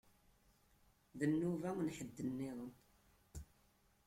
D nnuba n ḥedd nniḍen.